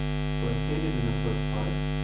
For, as stated in the First Part (Q.